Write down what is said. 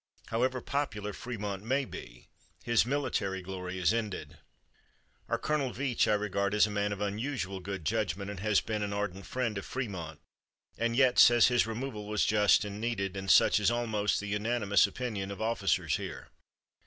However popular Frémont may be his military glory is ended. "Our Colonel Veatch I regard as a man of unusual good judgment and has been an ardent friend of Frémont, and yet says his removal was just and needed, and such is almost the unanimous opinion of officers here.